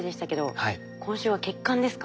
今週は血管ですか。